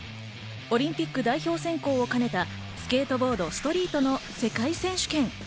オリンピック代表選考をかねた、スケートボード、ストリートの世界選手権。